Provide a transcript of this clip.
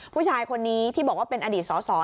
ผู้ชายคนนี้ที่บอกว่าเป็นอดีตสอสอ